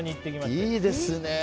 いいですね！